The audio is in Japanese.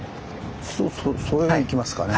それへ行きますかね。